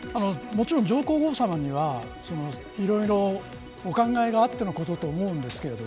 もちろん、上皇后さまにはいろいろお考えがあってのことだと思うんですけど